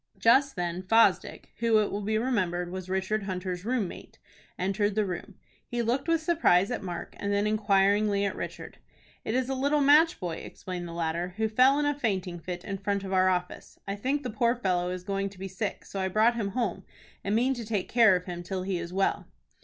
Just then Fosdick, who, it will be remembered, was Richard Hunter's room mate, entered the room. He looked with surprise at Mark, and then inquiringly at Richard. "It is a little match boy," explained the latter, "who fell in a fainting fit in front of our office. I think the poor fellow is going to be sick, so I brought him home, and mean to take care of him till he is well."